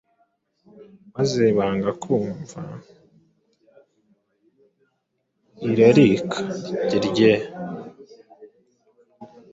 maze banga kumva irarika rye.